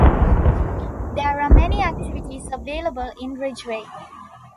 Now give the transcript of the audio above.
There are many activities available in Ridgway.